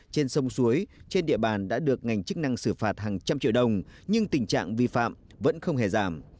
trên sông suối trên địa bàn đã được ngành chức năng xử phạt hàng trăm triệu đồng nhưng tình trạng vi phạm vẫn không hề giảm